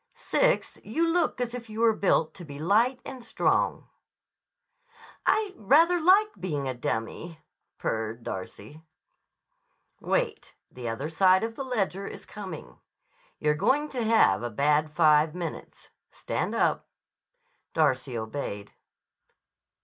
Sixth, you look as if you were built to be light and strong." "I rather like being a dummy," purred Darcy. "Wait. The other side of the ledger is coming. You're going to have a bad five minutes. Stand up." Darcy obeyed.